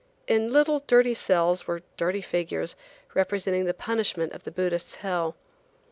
In little, dirty cells were dirty figures, representing the punishment of the Buddhists' hell.